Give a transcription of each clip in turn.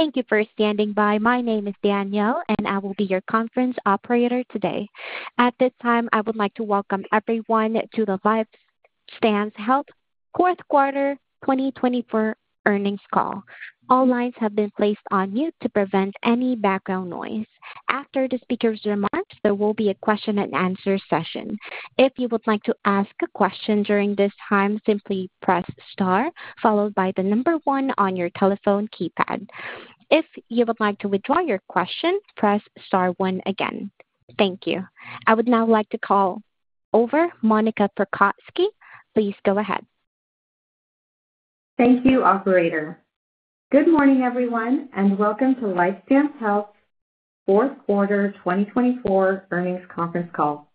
Thank you for standing by. My name is Danielle and I will be your conference operator today. At this time I would like to welcome everyone to LifeStance Health's Q4 2024 earnings call. All lines have been placed on mute to prevent any background noise. After the speaker's remarks, there will be a question and answer session. If you would like to ask a question during this time, simply press star followed by the number one on your telephone keypad. If you would like to withdraw your question, press star one again. Thank you. I would now like to call over Monica Prokocki, please go ahead. Thank you, operator. Good morning, everyone, and welcome to LifeStance Health's Q4 2024 Earnings Conference Call.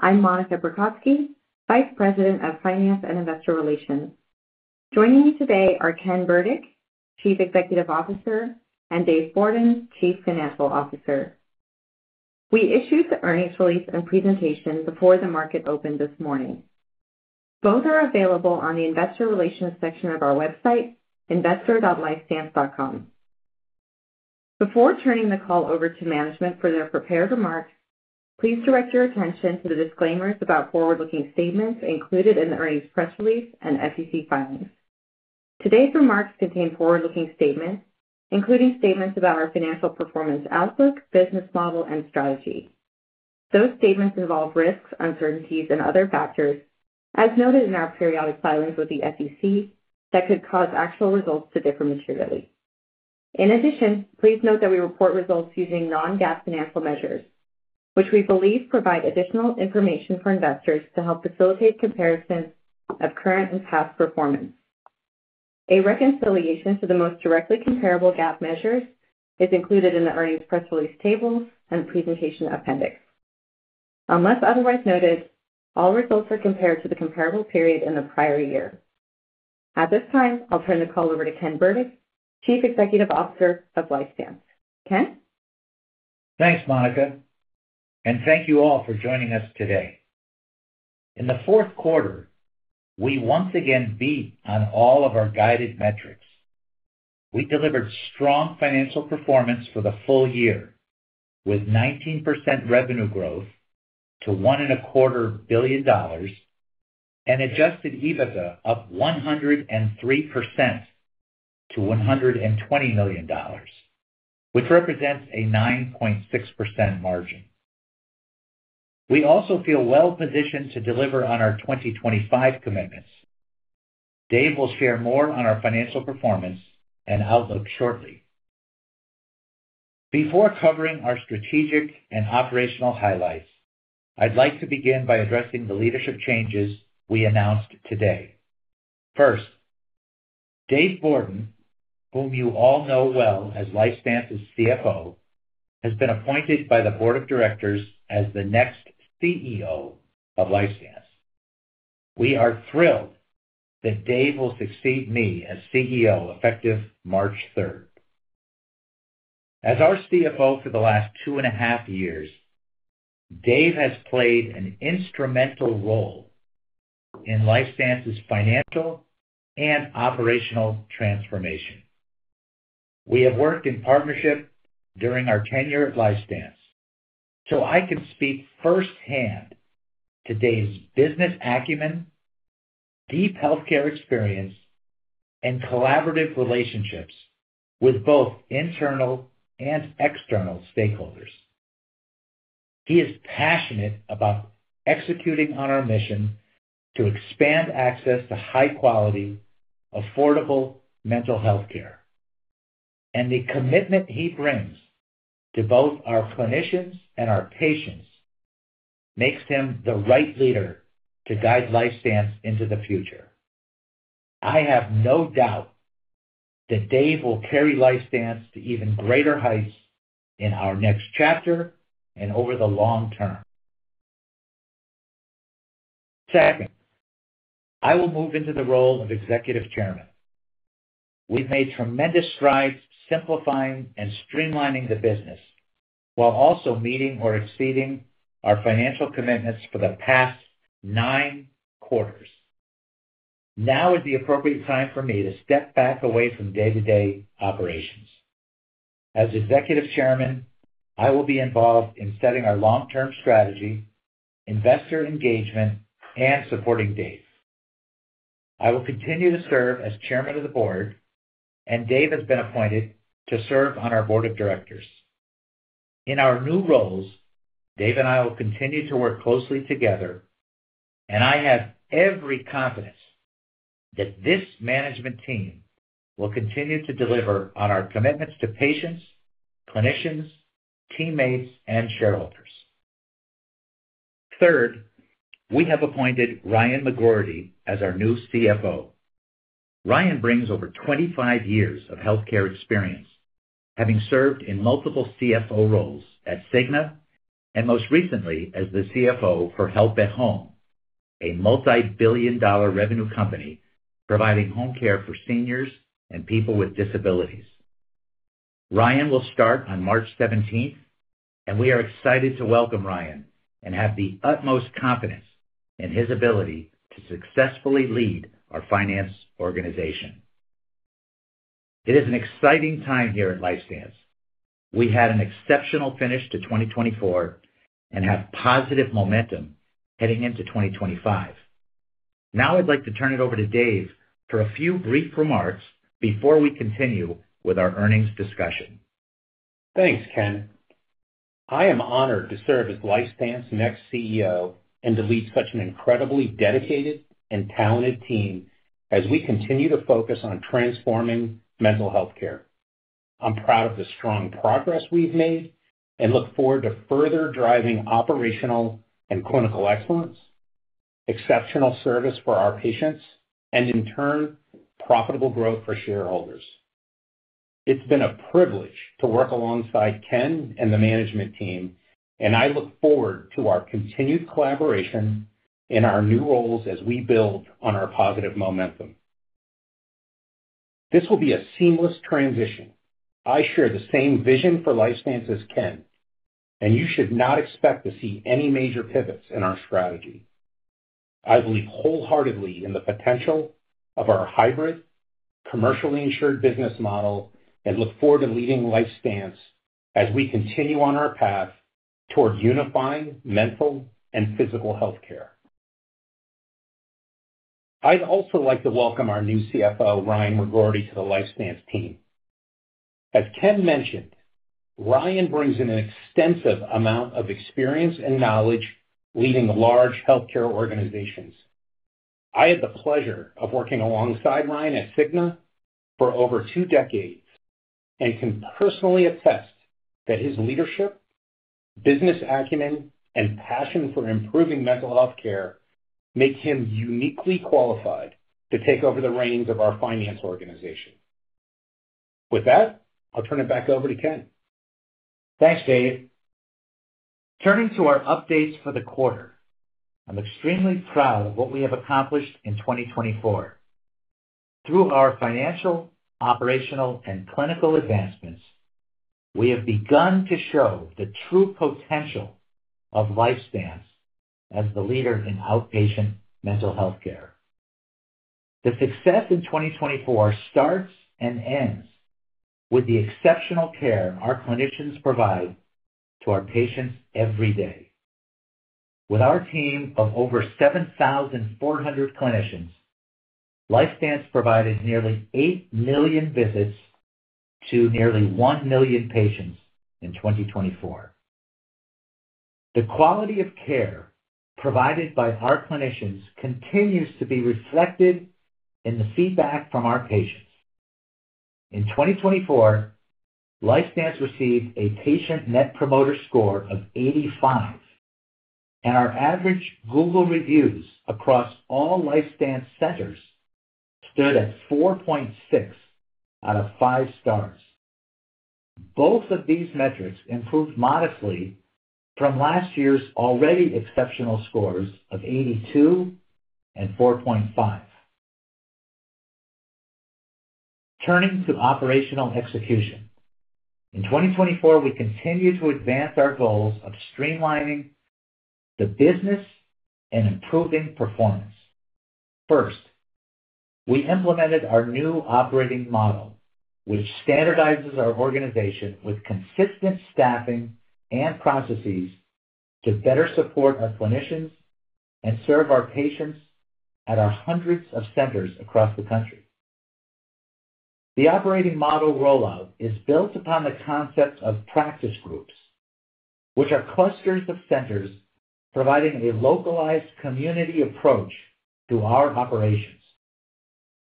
I'm Monica Prokocki, Vice President of Finance and Investor Relations. Joining me today are Ken Burdick, Chief Executive Officer, and Dave Bourdon, Chief Financial Officer. We issued the earnings release and presentation before the market opened this morning. Both are available on the investor relations section of our website, investor.lifestance.com. Before turning the call over to management for their prepared remarks, please direct your attention to the disclaimers about forward-looking statements included in the earnings press release and SEC filings. Today's remarks contain forward-looking statements, including statements about our financial performance outlook, business model, and strategy. Those statements involve risks, uncertainties, and other factors, as noted in our periodic filings with the SEC, that could cause actual results to differ materially. In addition, please note that we report results using non-GAAP financial measures which we believe provide additional information for investors to help facilitate comparisons of current and past performance. A reconciliation to the most directly comparable GAAP measures is included in the earnings press release table and presentation appendix. Unless otherwise noted, all results are compared to the comparable period in the prior year. At this time, I'll turn the call over to Ken Burdick, Chief Executive Officer of LifeStance. Ken? Thanks Monica, and thank you all for joining us today. In the Q4, we once again beat on all of our guided metrics. We delivered strong financial performance for the full year with 19% revenue growth to $1.25 billion and Adjusted EBITDA up 103% to $120 million, which represents a 9.6% margin. We also feel well positioned to deliver on our 2025 commitments. Dave will share more on our financial performance and outlook shortly. Before covering our strategic and operational highlights. I'd like to begin by addressing the leadership changes we announced today. First, Dave Bourdon, whom you all know well as LifeStance's CFO, has been appointed by the Board of Directors as the next CEO of LifeStance. We are thrilled that Dave will succeed me as CEO effective 3 March. As our CFO for the last two-and-a-half years, Dave has played an instrumental role in LifeStance's financial and operational transformation. We have worked in partnership during our tenure at LifeStance so I can speak firsthand to Dave's business acumen, deep healthcare experience and collaborative relationships with both internal and external stakeholders. He is passionate about executing on our mission to expand access to high quality, affordable mental healthcare. The commitment he brings to both our clinicians and our patients makes him the right leader to guide LifeStance into the future. I have no doubt that Dave will carry LifeStance to even greater heights in our next chapter and over the long term. Second, I will move into the role of Executive Chairman. We've made tremendous strides simplifying and streamlining the business while also meeting or exceeding our financial commitments for the past nine quarters. Now is the appropriate time for me to step back away from day-to-day operations. As Executive Chairman, I will be involved in setting our long term strategy, investor engagement and supporting Dave. I will continue to serve as Chairman of the Board and Dave has been appointed to serve on our Board of Directors. In our new roles, Dave and I will continue to work closely together and I have every confidence that this management team will continue to deliver on our commitments to patients, clinicians, teammates and shareholders. Third, we have appointed Ryan McGroarty as our new CFO. Ryan brings over 25 years of healthcare experience, having served in multiple CFO roles at Cigna and most recently as the CFO for Help at Home, a multibillion dollar revenue company providing home care for seniors and people with disabilities. Ryan will start on 17 March and we are excited to welcome Ryan and have the utmost confidence in his ability to successfully lead our finance organization. It is an exciting time here at LifeStance. We had an exceptional finish to 2024 and have positive momentum heading into 2025. Now I'd like to turn it over to Dave for a few brief remarks before we continue with our earnings discussion. Thanks, Ken. I am honored to serve as LifeStance's next CEO and to lead such an incredibly dedicated and talented team as we continue to focus on transforming mental healthcare. I'm proud of the strong progress we've made and look forward to further driving operational and clinical excellence, exceptional service for our patients and in turn profitable growth for shareholders. It's been a privilege to work alongside Ken and the management team and I look forward to our continued collaboration in our new roles as we build on our positive momentum. This will be a seamless transition. I share the same vision for LifeStance as Ken and you should not expect to see any major pivots in our strategy. I believe wholeheartedly in the potential of our hybrid, commercially insured business model and look forward to leading LifeStance as we continue on our path toward unifying mental and physical healthcare. I'd also like to welcome our new CFO, Ryan McGroarty to the LifeStance team. As Ken mentioned, Ryan brings in an extensive amount of experience and knowledge leading large healthcare organizations. I had the pleasure of working alongside Ryan at Cigna for over two decades and can personally attest that his leadership, business acumen and passion for improving mental healthcare make him uniquely qualified to take over the reins of our finance organization. With that, I'll turn it back over to Ken. Thanks Dave. Turning to our updates for the quarter, I'm extremely proud of what we have accomplished in 2024. Through our financial, operational, and clinical advancements, we have begun to show the true potential of LifeStance as the leader in outpatient mental healthcare. The success in 2024 starts and ends with the exceptional care our clinicians provide to our patients every day. With our team of over 7,400 clinicians, LifeStance provided nearly eight million visits to nearly one million patients in 2024. The quality of care provided by our clinicians continues to be reflected in the feedback from our patients. In 2024, LifeStance received a Patient Net Promoter Score of 85 and our average Google reviews across all LifeStance centers stood at 4.6 out of five stars. Both of these metrics improved modestly from last year's already exceptional scores of 82 and 4.5. Turning to operational execution. In 2024, we continue to advance our goals of streamlining the business and improving performance. First, we implemented our new operating model, which standardizes our organization with consistent staffing and processes to better support our clinicians and serve our patients at our hundreds of centers across the country. The operating model rollout is built upon the concept of practice groups, which are clusters of centers providing a localized community approach to our operations.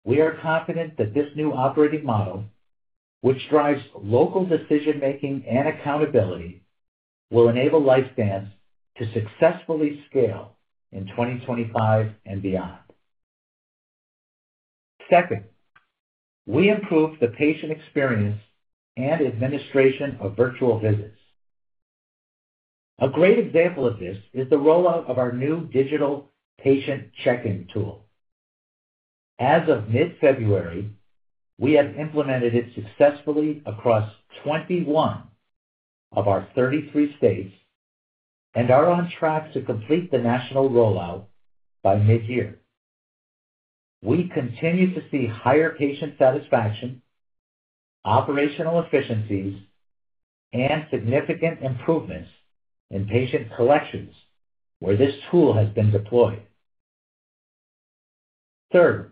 We are confident that this new operating model, which drives local decision making and accountability, will enable LifeStance to successfully scale in 2025 and beyond. Second, we improve the patient experience and administration of virtual visits. A great example of this is the rollout of our new Digital Patient Check-in tool. As of mid-February, we have implemented it successfully across 21 of our 33 states and are on track to complete the national rollout by midyear. We continue to see higher patient satisfaction, operational efficiencies and significant improvements in patient collections where this tool has been deployed. Third,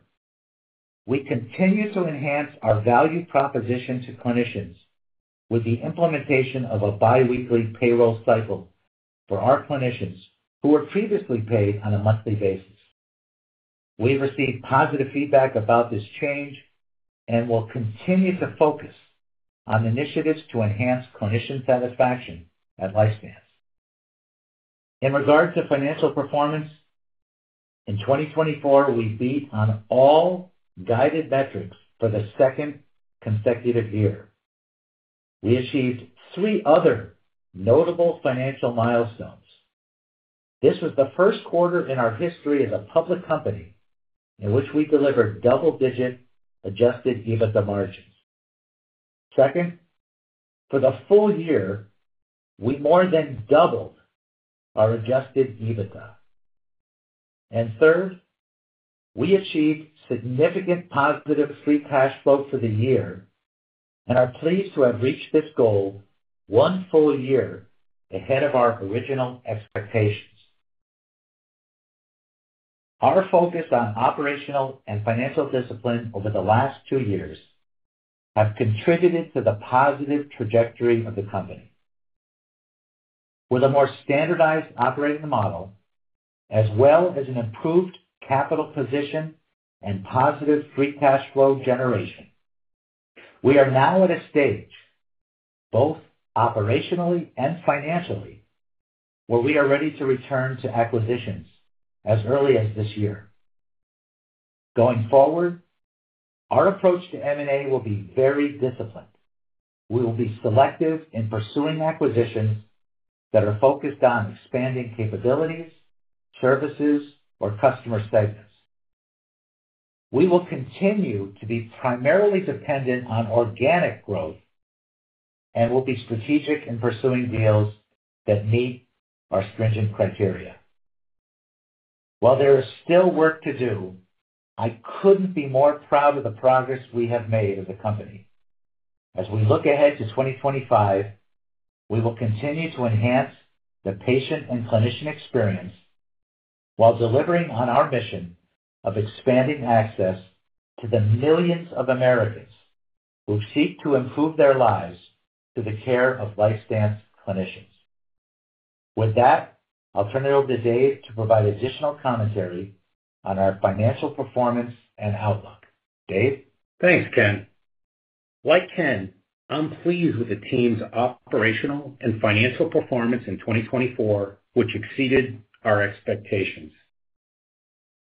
we continue to enhance our value proposition to clinicians with the implementation of a bi-weekly payroll cycle for our clinicians who were previously paid on a monthly basis. We received positive feedback about this change and will continue to focus on initiatives to enhance clinician satisfaction at LifeStance. In regards to financial performance in 2024, we beat on all guided metrics for the second consecutive year. We achieved three other notable financial milestones. This was the Q1 in our history as a public company in which we delivered double-digit adjusted EBITDA margins. Second, for the full year, we more than doubled our adjusted EBITDA. And third, we achieved significant positive free cash flow for the year and are pleased to have reached this goal one full year ahead of our original expectations. Our focus on operational and financial discipline over the last two years have contributed to the positive trajectory of the company. With a more standardized operating model as well as an improved capital position and positive free cash flow generation, we are now at a stage both operationally and financially where we are ready to return to acquisitions as early as this year. Going forward, our approach to M&A will be very disciplined. We will be selective in pursuing acquisitions that are focused on expanding capabilities, services or customer segments. We will continue to be primarily dependent on organic growth and will be strategic in pursuing deals that meet our stringent criteria. While there is still work to do, I couldn't be more proud of the progress we have made as a company. As we look ahead to 2025, we will continue to enhance the patient and clinician experience while delivering on our mission of expanding access to the millions of Americans who seek to improve their lives through the care of LifeStance clinicians. With that, I'll turn it over to Dave to provide additional commentary on our financial performance and outlook. Dave? Thanks, Ken. Like Ken, I'm pleased with the team's operational and financial performance in 2024 which exceeded our expectations.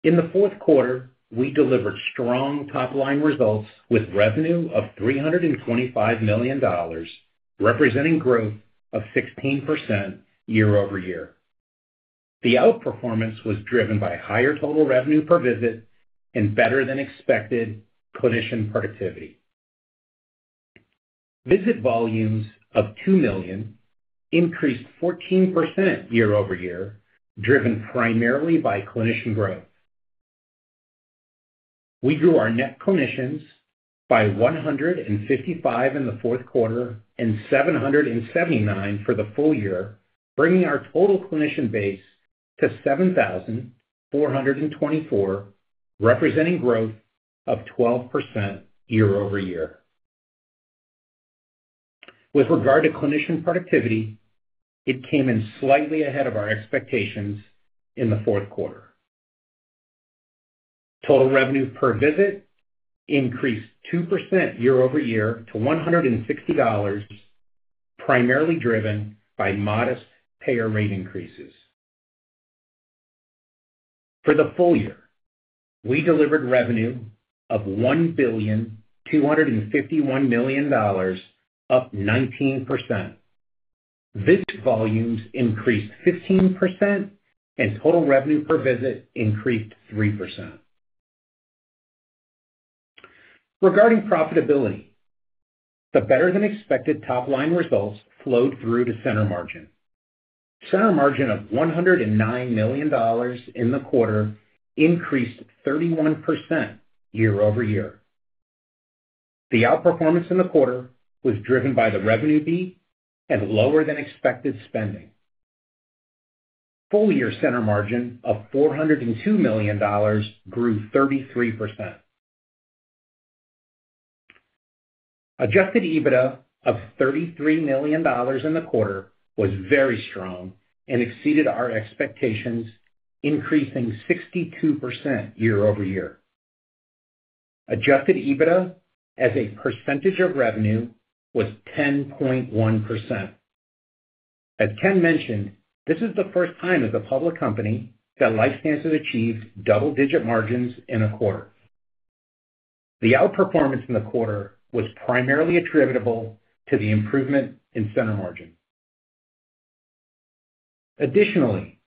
In the Q4, we delivered strong top line results with revenue of $325 million representing growth of 16% year-over-year. The outperformance was driven by higher total revenue per visit and better than expected clinician productivity. Visit volumes of two million increased 14% year-over-year, driven primarily by clinician growth. We grew our net clinicians by 155 in the Q4 and 779 for the full year, bringing our total clinician base to 7,424, representing growth of 12% year-over-year. With regard to clinician productivity, it came in slightly ahead of our expectations in the Q4. Total revenue per visit increased 2% year-over-year to $160, primarily driven by modest payer rate increases. For the full year, we delivered revenue of $1.251 up 19%. Visit volumes increased 15% and total revenue per visit increased 3%. Regarding profitability, the better-than-expected top line results flowed through to Center Margin. Center Margin of $109 million in the quarter increased 31% year-over-year. The outperformance in the quarter was driven by the revenue beat and lower-than-expected spending. Full year Center Margin of $402 million grew 33%. Adjusted EBITDA of $33 million in the quarter was very strong and exceeded our expectations, increasing 62% year-over-year. Adjusted EBITDA as a percentage of revenue was 10.1%. As Ken mentioned, this is the first time as a public company that LifeStance has achieved double digit margins in a quarter. The outperformance in the quarter was primarily attributable to the improvement in Center Margin. Additionally,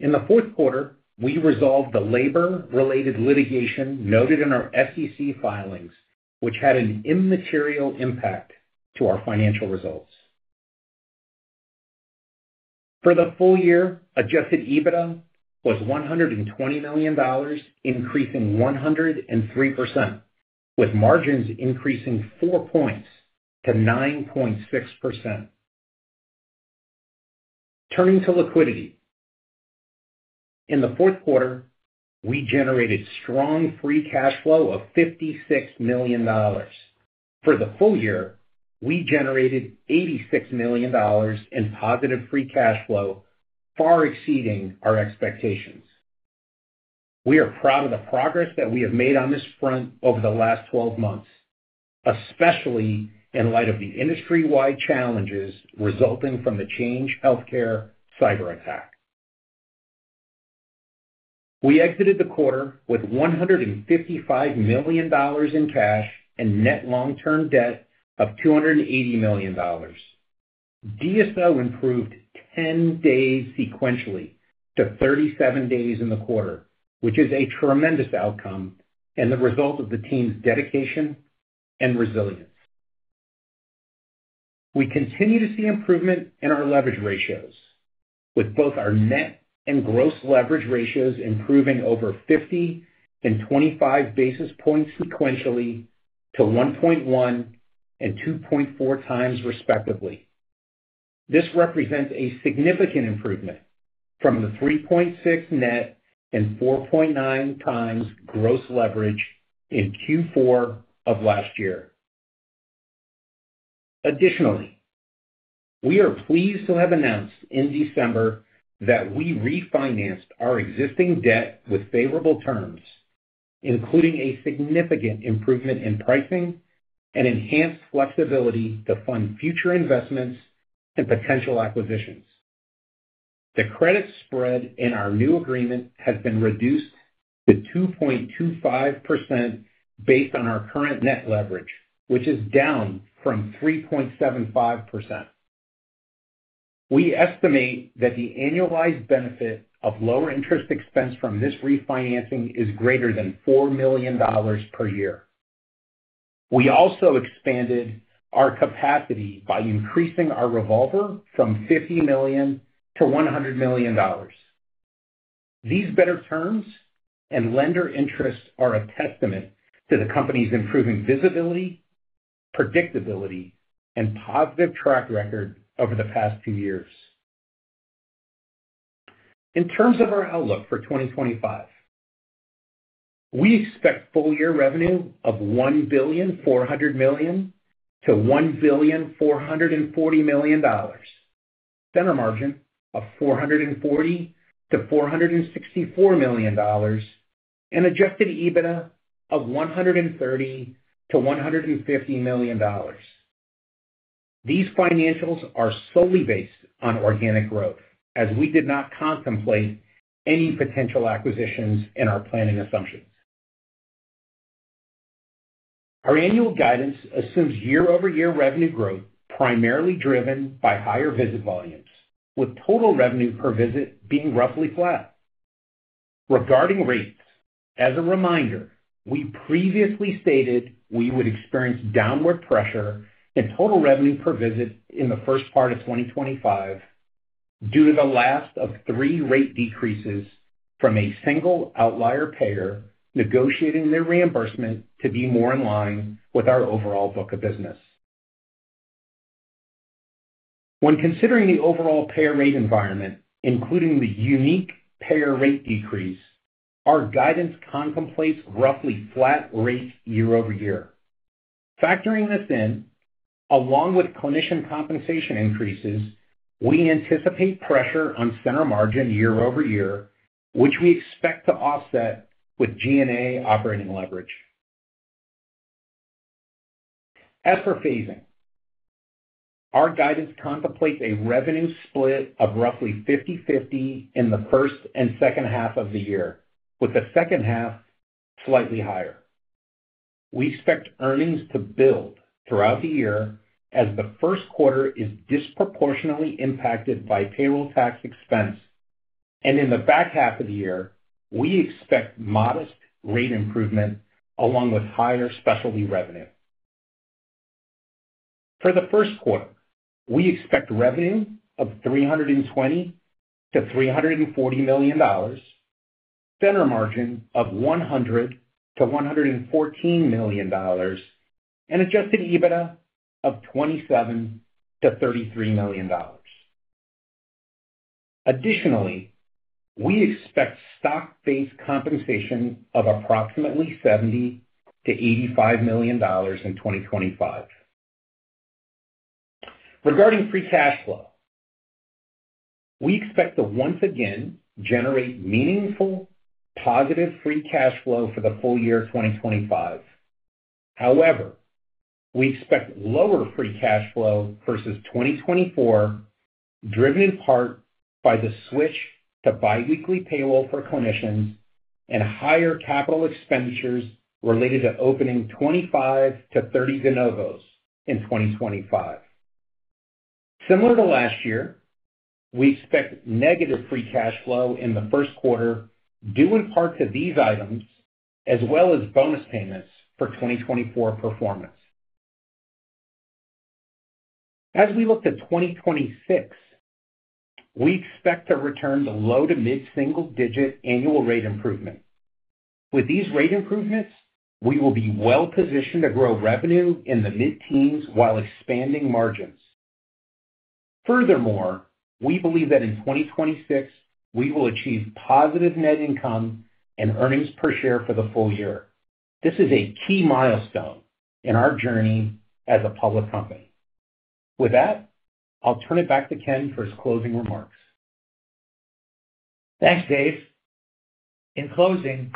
in the Q4 we resolved the labor related litigation noted in our SEC filings which had an immaterial impact to our financial results. For the full year, Adjusted EBITDA was $120 million increasing 103% with margins increasing four points to 9.6%. Turning to liquidity. In the Q4, we generated strong free cash flow of $56 million. For the full year, we generated $86 million in positive free cash flow far exceeding our expectations. We are proud of the progress that we have made on this front over the last 12 months, especially in light of the industry wide challenges resulting from the Change Healthcare cyberattack. We exited the quarter with $155 million in cash and net long-term debt of $280 million. DSO improved 10 days sequentially to 37 days in the quarter, which is a tremendous outcome and the result of the team's dedication and resilience. We continue to see improvement in our leverage ratios with both our net and gross leverage ratios improving over 50 and 25 basis points sequentially to 1.1x and 2.4x respectively. This represents a significant improvement from the 3.6 net and 4.9 times gross leverage in Q4 of last year. Additionally, we are pleased to have announced in December that we refinanced our existing debt with favorable terms including a significant improvement in pricing and enhanced flexibility to fund future investments and potential acquisitions. The credit spread in our new agreement has been reduced to 2.25% based on our current net leverage, which is down from 3.75%. We estimate that the annualized benefit of lower interest expense from this refinancing is greater than $4 million per year. We also expanded our capacity by increasing our revolver from $50 million to 100 million. These better terms and lender interest are a testament to the company's improving visibility, predictability and positive track record over the past few years. In terms of our outlook for 2025. We expect full year revenue of $1.4 to 1.440 million, Center Margin of $440 to 464 million, and Adjusted EBITDA of $130 to 150 million. These financials are solely based on organic growth as we did not contemplate any potential acquisitions in our planning assumptions. Our annual guidance assumes year-over-year revenue growth primarily driven by higher visit volumes, with total revenue per visit being roughly flat. Regarding rates, as a reminder, we previously stated we would experience downward pressure and total revenue per visit in the first part of 2025 due to the last of three rate decreases from a single outlier payer negotiating their reimbursement to be more in line with our overall book of business. When considering the overall payer rate environment, including the unique payer rate decrease, our guidance contemplates roughly flat rate year-over-year. Factoring this in along with clinician compensation increases, we anticipate pressure on Center Margin year-over-year, which we expect to offset with G&A operating leverage. As for phasing, our guidance contemplates a revenue split of roughly 50/50 in the first and second half of the year, with the second half slightly higher. We expect earnings to build throughout the year as the Q1 is disproportionately impacted by payroll tax expense, and in the back half of the year we expect modest rate improvement along with higher specialty revenue. For the Q1, we expect revenue of $320 to 340 million, Center Margin of $100 to 114 million, and Adjusted EBITDA of $27 to 33 million. Additionally, we expect stock-based compensation of approximately $70 to 85 million in 2025. Regarding free cash flow, we expect to once again generate meaningful positive free cash flow for the full year 2025. However, we expect lower free cash flow versus 2024, driven in part by the switch to biweekly payroll for clinicians and higher capital expenditures related to opening 25 to 30 de novos in 2025. Similar to last year, we expect negative free cash flow in the Q1 due in part to these items, as well as bonus payments for 2024 performance. As we look to 2026, we expect to return to low to mid-single digit annual rate improvement. With these rate improvements, we will be well positioned to grow revenue in the mid-teens while expanding margins. Furthermore, we believe that in 2026 we will achieve positive net income and earnings per share for the full year. This is a key milestone in our journey as a public company. With that, I'll turn it back to Ken for his closing remarks. Thanks, Dave. In closing,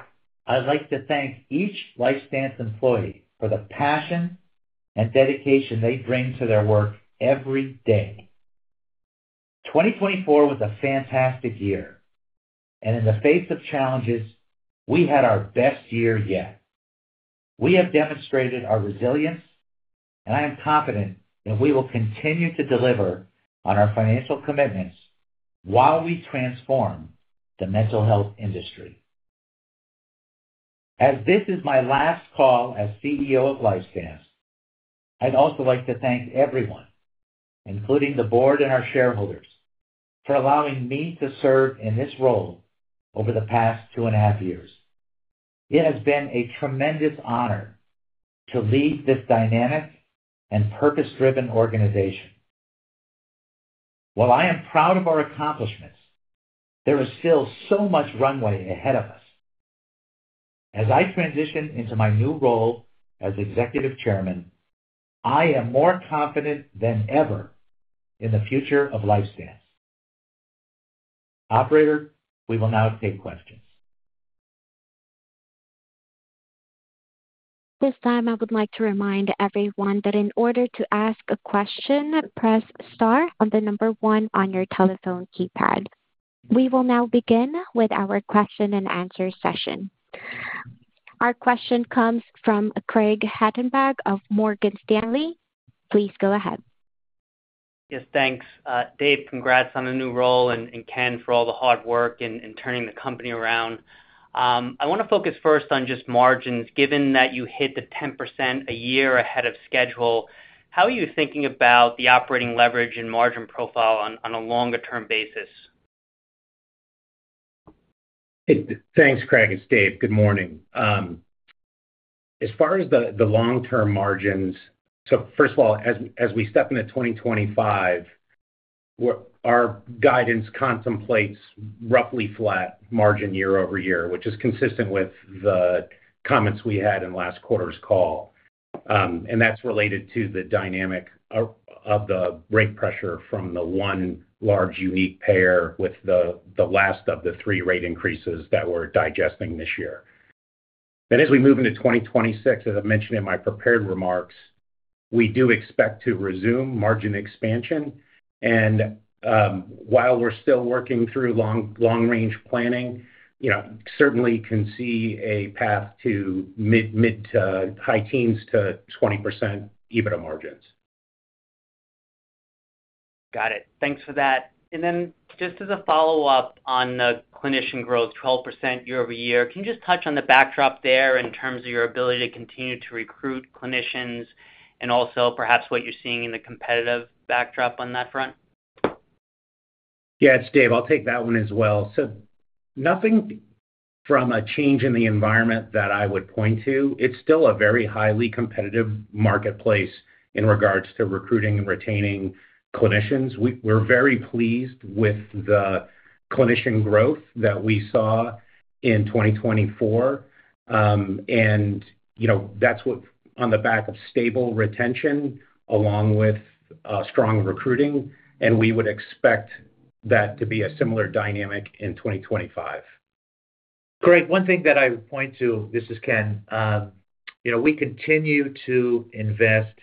I'd like to thank each LifeStance employee for the passion and dedication they bring to their work every day. 2024 was a fantastic year, and in the face of challenges, we had our best year yet. We have demonstrated our resilience and I am confident and we will continue to deliver on our financial commitments while we transform the mental health industry. As this is my last call as CEO of LifeStance, I'd also like to thank everyone, including the board and our shareholders for allowing me to serve in this role ver the past two and a half years. It has been a tremendous honor to serve to lead this dynamic and purpose driven organization. While I am proud of our accomplishments, there is still so much runway ahead of us as I transition into my new role as Executive Chairman. I am more confident than ever in the future of LifeStance. Operator, we will now take questions. This time I would like to remind everyone that in order to ask a question, press star on the number one on your telephone keypad. We will now begin with our question and answer session. Our question comes from Craig Hettenbach of Morgan Stanley. Please go ahead. Yes, thanks. Dave, congrats on a new role and Ken, for all the hard work and turning the company around, I want to focus first on just margins. Given that you hit the 10% a year ahead of schedule, how are you thinking about the operating leverage and margin profile on a longer term basis? Thanks Craig. It's Dave. Good morning. As far as the long term margins, so first of all, as we step into 2025, our guidance contemplates roughly flat margin year-over-year, which is consistent with the comments we had in last quarter's call. And that's related to the dynamic of the rate pressure from the one large unique payer with the last of the three rate increases that we're digesting this year. Then as we move into 2026, as I mentioned in my prepared remarks, we do expect to resume margin expansion and while we're still working throug long range planning, certainly can see a path to mid to high-teens to 20% EBITDA margins. Got it, thanks for that. And then just as a follow up on the clinician growth, 12% year-over-year. Can you just touch on the backdrop there in terms of your ability to continue to recruit clinicians and also perhaps what you're seeing in the competitive backdrop on that front? Yeah, it's Dave. I'll take that one as well. So nothing from a change in the environment that I would point to. It's still a very highly competitive marketplace in regards to recruiting and retaining clinicians. We're very pleased with the clinician growth that we saw in 2024 and, you know, that's what on the back of stable retention along with strong recruiting. We would expect that to be a similar dynamic in 2025. Great. One thing that I would point to, this is Ken, you know, we continue to invest,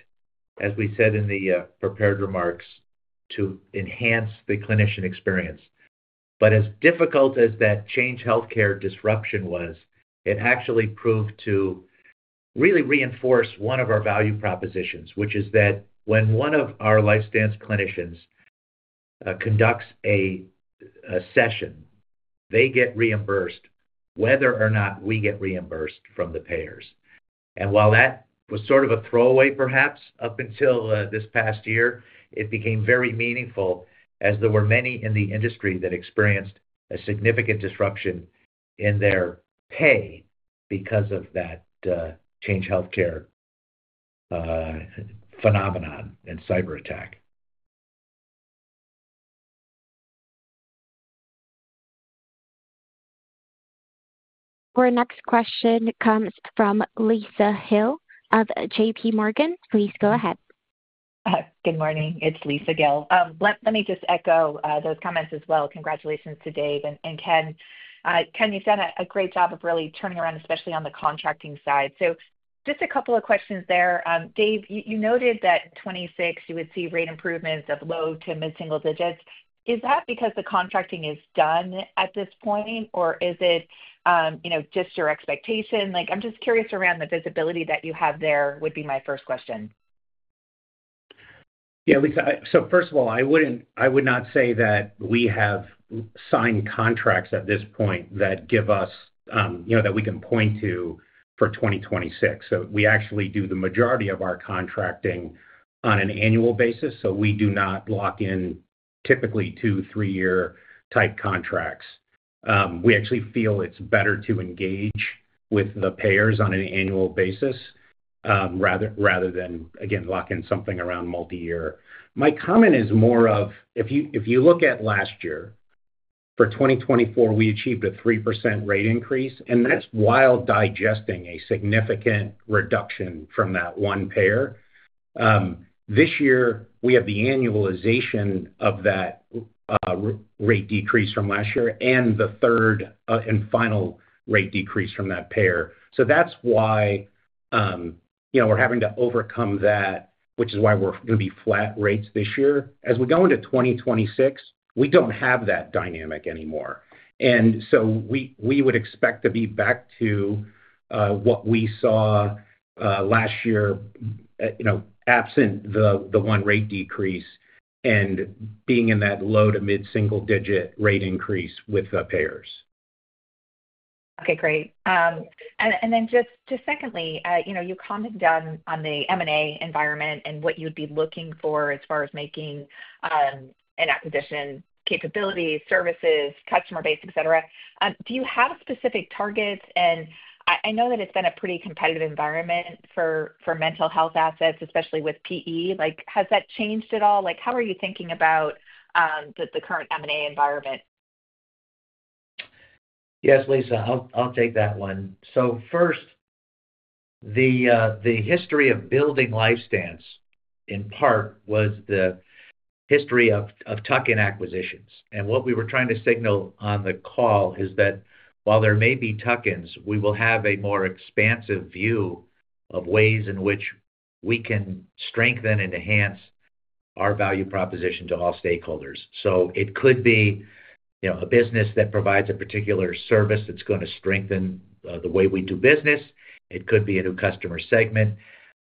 as we said in the prepared remarks, to enhance the clinician experience. But as difficult as that Change Healthcare disruption was, it actually proved to really reinforce one of our value propositions, which is that when one of our LifeStance clinicians conducts a session, they get reimbursed whether or not we get reimbursed from the payers. And while that was sort of a throwaway, perhaps up until this past year, it became very meaningful as there were many in the industry that experienced a significant disruption in their pay because of that Change Healthcare phenomenon and cyberattack. Our next question comes from Lisa Gill of J.P. Morgan. Please go ahead. Good morning, it's Lisa Gill. Let me just echo those comments as well. Congratulations to Dave and Ken. Ken, you've done a great job of really turning around and spending on the contracting side. So just a couple of questions there. Dave, you noted that 2026, you would see rate improvements of low to mid single digits. Is that because the contracting is done at this point or is it, you know, just your expectation? Like I'm just curious around the visibility that you have there, would be my first question. Yeah, Lisa. So first of all, I would not say that we have signed contracts at this point that give us, you know, that we can point to for 2026. So we actually do the majority of our contracting on an annual basis. So we do not lock in typically two, three-year type contracts. We actually feel it's better to engage with the payers on an annual basis rather than again lock in something around multi-year. My comment is more of if you look at last year for 2024, we achieved a 3% rate increase and that's while digesting a significant reduction from that one payer. This year we have the annualization of that rate decrease from last year and the third and final rate decrease from that payer. So that's why we're having to overcome that, which is why we're going to be flat rates this year. As we go into 2026, we don't have that dynamic anymore, and so we would expect to be back to what we saw last year absent the one rate decrease and being in that low to mid single digit rate increase with the payers. Okay, great. And then just secondly, you commented on the M&A environment and what you'd be looking for as far as making an acquisition capability, services, customer base, et cetera. Do you have specific targets? And I know that it's been a pretty competitive environment for mental health assets, especially with PE. Like has that changed at all? Like how are you thinking about the current M&A environment? Yes, Lisa, I'll take that one. So first the history of building LifeStance in part was the history of tuck-in acquisitions, and what we were trying to signal on the call is that while there may be tuck-ins, we will have a more expansive view of ways in which we can strengthen and enhance our value proposition to all stakeholders, so it could be a business that provides a particular service that's going to strengthen the way we do business. It could be a new customer segment.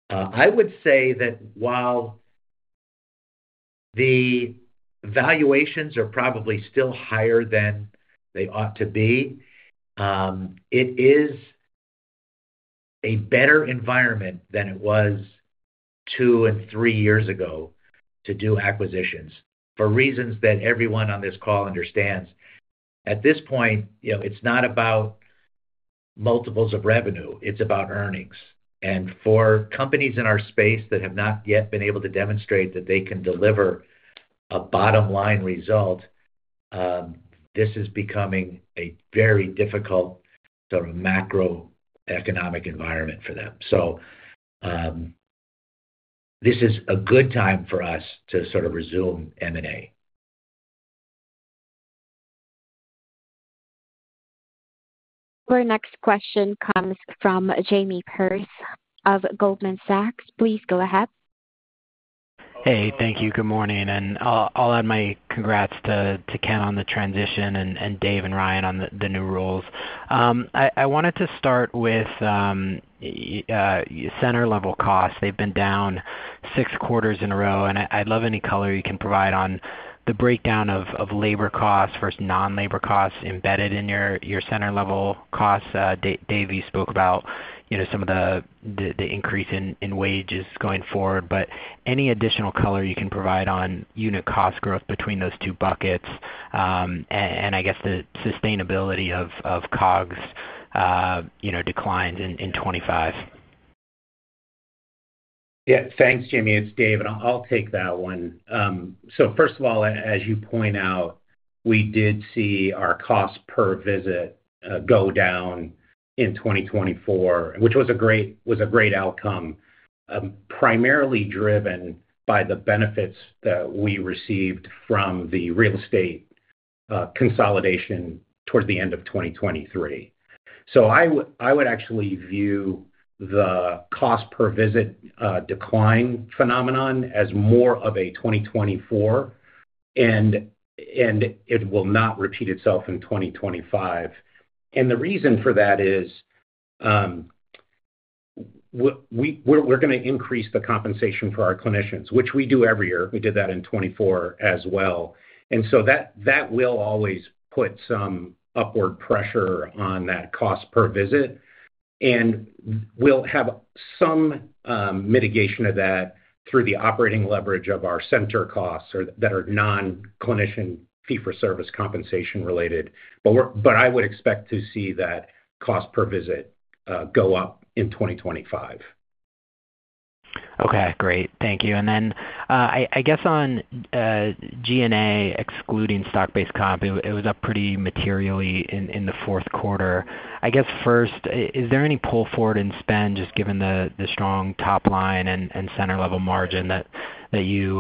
I would say that while the valuations they're probably still higher than they ought to be. It is a better environment than it was two and three years ago to do acquisitions. For reasons that everyone on this call understands. At this point, it's not about multiples of revenue, it's about earnings, and for companies in our space that have not yet been able to demonstrate that they can deliver a bottom line result, this is becoming a very difficult sort of macroeconomic environment for them. So this is a good time for us to sort of resume M&A. Our next question comes from Jamie Perse of Goldman Sachs. Please go ahead. Hey. Thank you. Good morning, and I'll add my congrats to Ken on the transition and Dave and Ryan on the new roles. I wanted to start with center-level costs. They've been down six quarters in a row, and I'd love any color you can provide on the breakdown of labor costs versus non-labor costs embedded in your center-level costs. Dave, you spoke about some of the increase in wages going forward. But any additional color you can provide on unit cost growth between those two buckets, and I guess the sustainability of COGS decline in 2025. Thanks, Jamie. It's Dave, and I'll take that one. So first of all, as you point out, we did see our cost per visit go down in 2024, which was a great outcome primarily driven by the benefits that we received from the real estate consolidation towards the end of 2023. So I would actually view the cost per visit decline phenomenon as more of a 2024 and it will not repeat itself in 2025. And the reason for that is we're going to increase the compensation for our clinicians which we do every year. We did that in 2024 as well. And so that will always put some upward pressure on that cost per visit and we'll have some mitigation of that through the operating leverage of our center costs that are non clinician fee for service compensation related, but I would expect to see that cost per visit go up in 2025. Okay, great. Thank you. I guess on G&A excluding stock-based comp, it was up pretty materially in the Q4. I guess first, is there any pull forward in spend just given the strong top line and center-level margin that you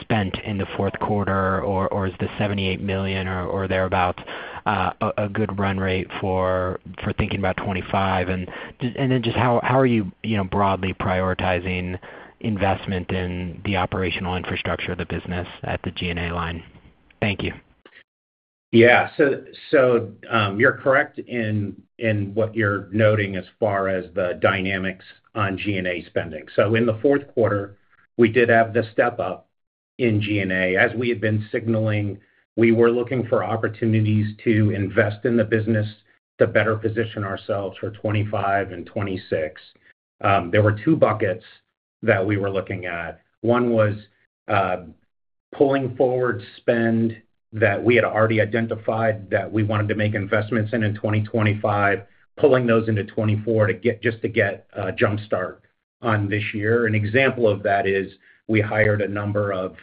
spent in the Q4 or is the $78 million or thereabouts a good run rate for thinking about 2025? And then just how are you broadly prioritizing investment in the operational infrastructure of the business at the G&A line? Thank you. Yeah, you're correct in what you're noting as far as the dynamics on G&A spending. So in the Q4 we did have the step up in G&A. As we had been signalling, we were looking for opportunities to invest in the business to better position ourselves for 2025 and 2026. There were two buckets that we were looking at. One was pulling forward spend that we had already identified that we wanted to make investments in in 2025, pulling those into 2024 just to get jumpstart on this year. An example of that is we hired a number of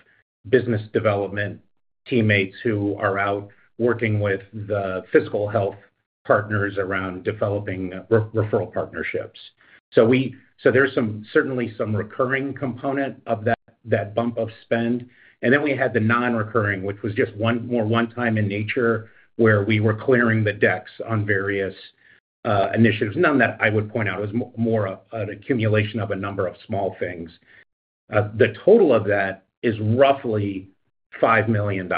business development teammates who are out working with the physical health partners around developing referral partnerships. So there's certainly some recurring component of that bump of spend and then we had the non-recurring which was just one time in nature where we were clearing the decks on various initiatives. None that I would point out. It was more an accumulation of a number of small things. The total of that is roughly $5 million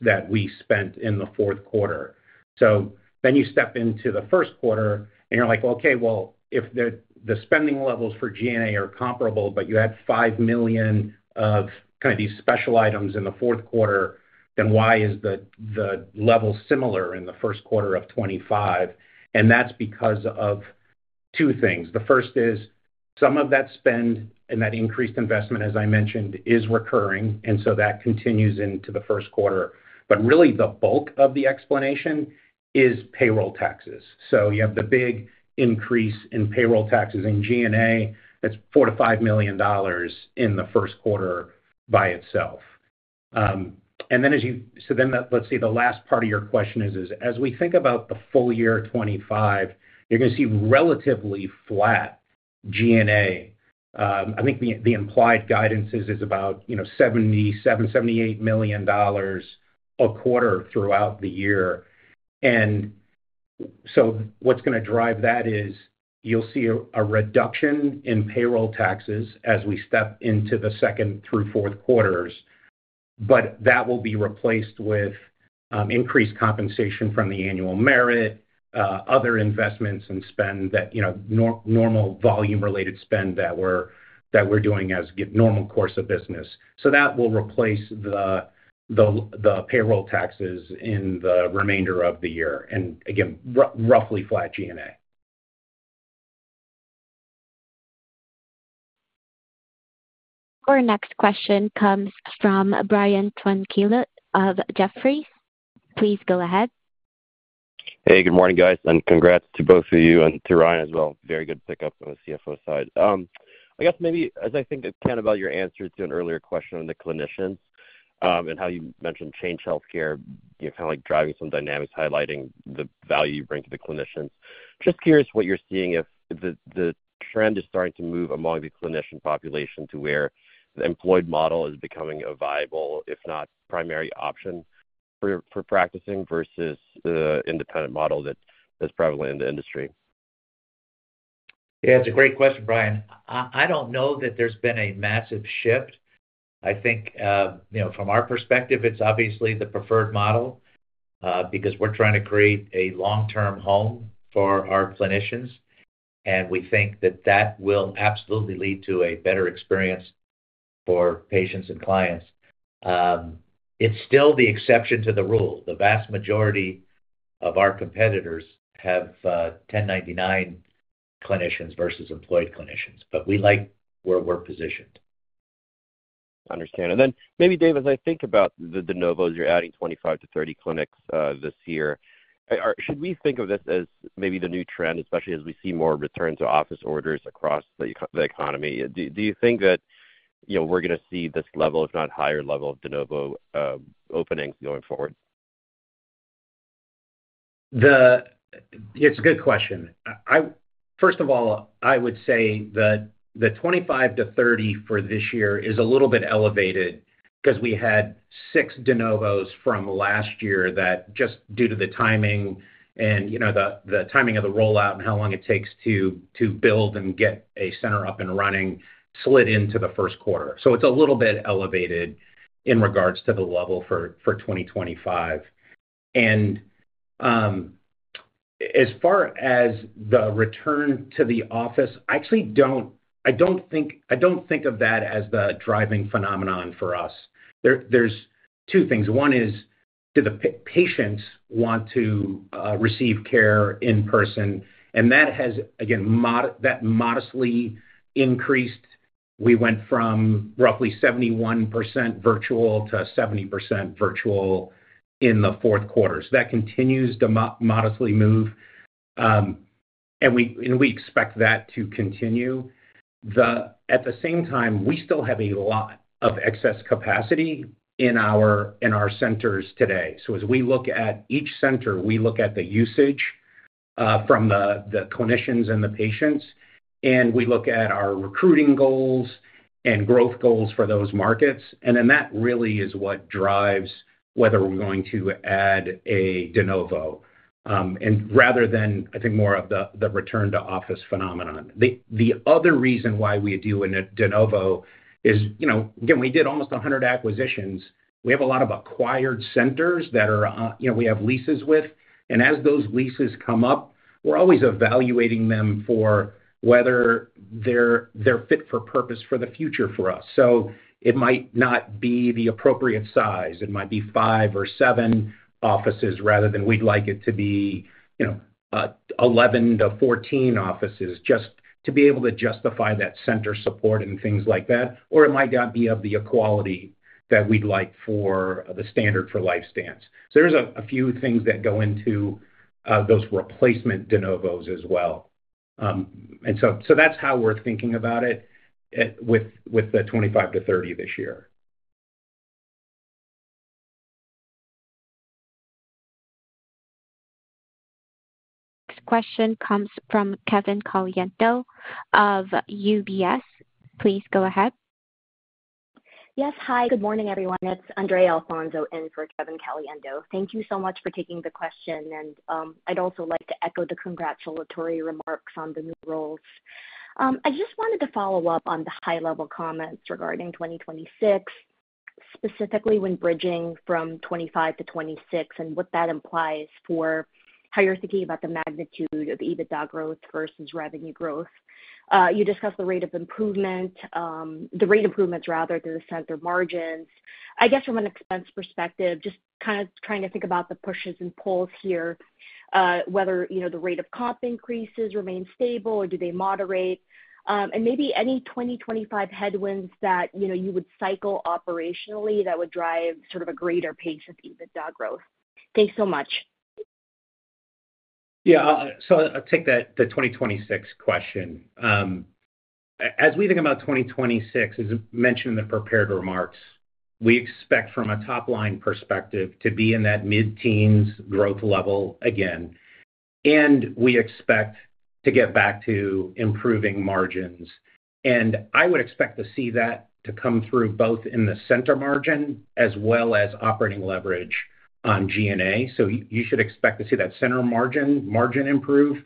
that we spent in the Q4. So then you step into the Q1 and you're like, okay, well if the spending levels for G&A are comparable, but you had $5 million of kind of these special items in the Q4, then why is the level similar in the Q1 of 2025? And that's because of two things. The first is some of that spend and that increased investment, as I mentioned, is recurring. And so that continues into the Q1. But really the bulk of the explanation is payroll taxes. So you have the big increase in payroll taxes in G&A. That's $4 to 5 million in the Q1 by itself. And then as you-- So then let's see. The last part of your question is as we think about the full year 2025, you're going to see relatively flat G&A. I think the implied guidance is about, you know, $77 to 78 million a quarter throughout the year. And so what's going to drive that is you'll see a reduction in payroll taxes as we step into the second through Q4s, but that will be replaced with increased compensation from the annual merit, other investments, and, you know, normal volume-related spend that we're doing as normal course of business. So that will replace the payroll taxes in the remainder of the year and again roughly flat G&A. Our next question comes from Brian Tanquilut of Jefferies. Please go ahead. Hey, good morning guys and congrats to both of you and to Ryan as well. Very good pickup on the CFO side. I guess maybe as I think Ken, about your answer to an earlier question on the clinicians and how you mentioned Change Healthcare, you're kind of like driving some dynamics, highlighting the value you bring to the clinicians. Just curious what you're seeing. If the trend is starting to move among the clinician population to where the employed model is becoming a viable if not primary option for practicing versus the independent model that is prevalent in the industry. Yeah, it's a great question, Brian. I don't know that there's been a massive shift. I think from our perspective it's obviously the preferred model because we're trying to create a long term home for our clinicians and we think that that will absolutely lead to a better experience for patients and clients. It's still the exception to the rule. The vast majority of our competitors have 1099 clinicians versus employed clinicians. But we like where we're positioned Understand. And then maybe Dave, as I think about the de novos, you're adding 25 to 30 clinics this year. Should we think of this as maybe the new trend, especially as we see more return to office orders across the economy? Do you think that we're going to see this level, if not higher level of de novo openings going forward? It's a good question. First of all, I would say that the 25 to 30 for this year is a little bit elevated because we had six de novos from last year that just due to the timing and, you know, the timing of the rollout and how long it takes to build and get a center up and running slid into the Q1. So it's a little bit elevated in regards to the level for 2025. And as far as the return to the office, I don't think of that as the driving phenomenon. For us, there's two things. One is, do the patients want to receive care in person? And that has, again, that modestly increased. We went from roughly 71% virtual to 70% virtual in the Q4. So that continues to modestly move. We expect that to continue. At the same time, we still have a lot of excess capacity in our centers today. So as we look at each center, we look at the usage from the clinicians and the patients, and we look at our recruiting goals and growth goals for those markets. And then that really is what drives whether we're going to add a de novo and rather than, I think, more of the return to office phenomenon. The other reason why we do a de novo is, you know, again, we did almost 100 acquisitions. We have a lot of acquired centers that are, you know, we have leases with. And as those leases come up, we're always evaluating them for whether they're fit for purpose for the future for us. So it might not be the appropriate size. It might be five or seven offices rather than we'd like it to be, you know, 11 to 14 offices just to be able to justify that center support and things like that. Or it might not be of the quality that we'd like for the standard for LifeStance. So there's a few things that go into those replacement de novos as well, and so that's how we're thinking about it with the 25 to 30 this year. Next question comes from Kevin Caliendo of UBS. Please go ahead. Yes, hi, good morning, everyone. It's Andrea Alfonso in for Kevin Caliendo. Thank you so much for taking the question. And I'd also like to echo the congratulatory remarks on the new roles. I just wanted to follow up on the high level comments regarding 2026 specifically when bridging from 25 to 26 and what that implies for how you're thinking about the magnitude of EBITDA growth versus revenue growth. You discussed the rate of improvement. The rate improvements rather to the center margins. I guess from an expense perspective, just kind of trying to think about the pushes and pulls here. Whether, you know, the rate of comp increases remain stable or do they moderate and maybe any 2025 headwinds that you would see cycle operationally that would drive sort of a greater pace of EBITDA growth. Thanks so much. Yeah, so I'll take that, the 2026 question. As we think about 2026, as mentioned in the prepared remarks, we expect from a top line perspective to be in that mid teens growth level again and we expect to get back to improving margins, and I would expect to see that to come through both in the center margin as well as operating leverage on G&A. So you should expect to see that center margin improve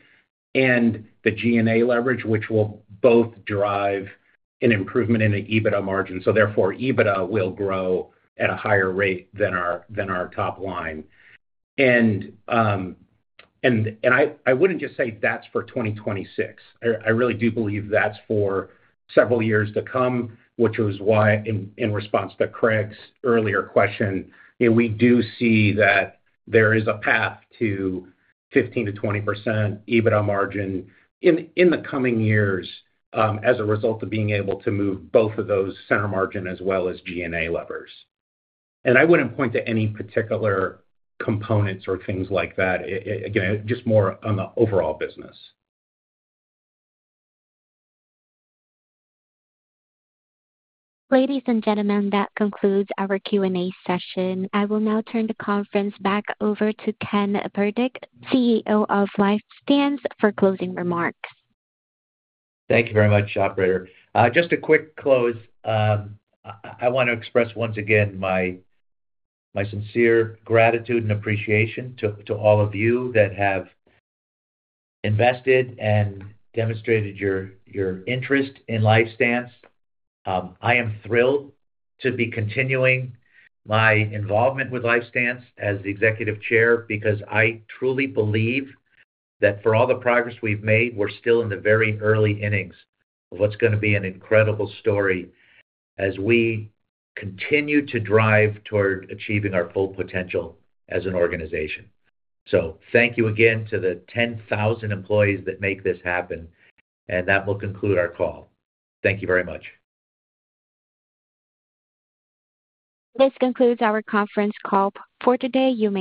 and the G&A leverage which will both drive an improvement in the EBITDA margin. So therefore EBITDA will grow at a higher rate than our top line. And I wouldn't just say that's for 2026. I really do believe that's for several years to come. Which was why, in response to Craig's earlier question, we do see that there is a path to 15% to 20% EBITDA margin in the coming years as a result of being able to move both of those center margin as well as G&A levers. And I wouldn't point to any particular components or things like that. Again, just more on the overall business. Ladies and gentlemen, that concludes our Q&A session. I will now turn the conference back over to Ken Burdick, CEO of LifeStance, for closing remarks. Thank you very much, operator. Just a quick close. I want to express once again my sincere gratitude and appreciation to all of you that have invested and demonstrated your interest in LifeStance. I am thrilled to be continuing my involvement with LifeStance as the Executive Chairman because I truly believe that for all the progress we've made, we're still in the very early innings of what's going to be an incredible story as we continue to drive toward achieving our full potential as an organization. So thank you again to the 10,000 employees that make this happen and that will conclude our call. Thank you very much. This concludes our conference call for today. You may.